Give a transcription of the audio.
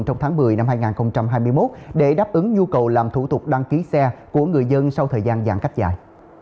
trong tháng một mươi năm hai nghìn hai mươi một để đáp ứng nhu cầu làm thủ tục đăng ký xe của người dân sau thời gian giãn cách dài